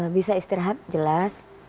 bisa istirahat jelas